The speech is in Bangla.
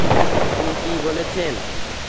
উনি কী বলেছেন?